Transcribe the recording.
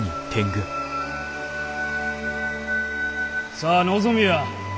さあ望みや！